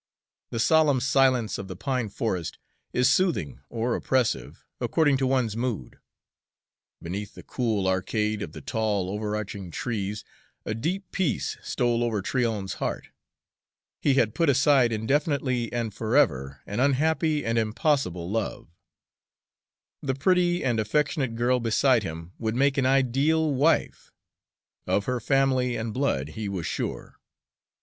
The solemn silence of the pine forest is soothing or oppressive, according to one's mood. Beneath the cool arcade of the tall, overarching trees a deep peace stole over Tryon's heart. He had put aside indefinitely and forever an unhappy and impossible love. The pretty and affectionate girl beside him would make an ideal wife. Of her family and blood he was sure.